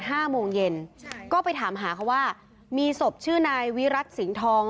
ห้าโมงเย็นก็ไปถามหาเขาว่ามีศพชื่อนายวิรัติสิงห์ทอง